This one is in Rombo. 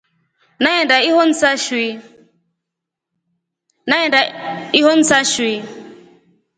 Nyaenda ihonsa nshui.